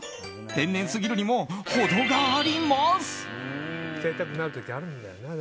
天然すぎるにもほどがあります。